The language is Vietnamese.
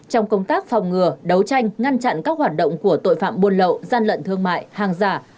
trong công tác phòng ngừa đấu tranh ngăn chặn các hoạt động của tội phạm buôn lậu gian lận thương mại hàng giả